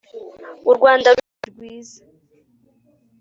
u rwanda rukiri rwiza